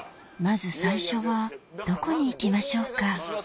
まず最初はどこに行きましょうか？